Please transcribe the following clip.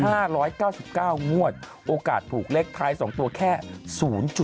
ห้าร้อยเก้าสิบเก้างวดโอกาสถูกเลขท้ายสองตัวแค่ศูนย์จุด